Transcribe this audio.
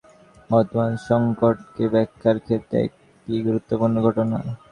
অষ্টাদশ শতাব্দীর ক্রিমিয়ান যুদ্ধ বর্তমান সংকটকে ব্যাখ্যার ক্ষেত্রে একটি গুরুত্বপূর্ণ ঘটনা।